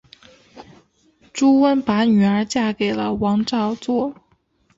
朱温把女儿嫁给了王昭祚。